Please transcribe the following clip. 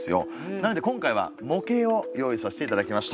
なので今回は模型を用意させて頂きました。